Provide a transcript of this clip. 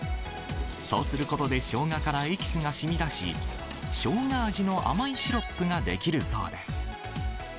そうすることで、ショウガからエキスがしみだし、ショウガ味の甘いシロップが出来るそうです。